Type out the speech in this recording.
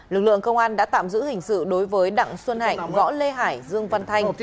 lực lượng công an đã tạm giữ hình sự đối với đặng xuân hạnh võ lê hải dương văn thanh